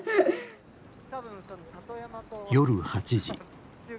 夜８時。